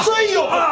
ああ！